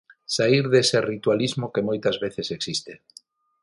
Saír dese ritualismo que moitas veces existe.